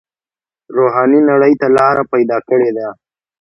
روحاني نړۍ ته لاره پیدا کړې ده.